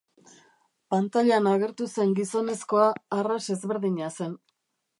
Pantailan agertu zen gizonezkoa arras ezberdina zen.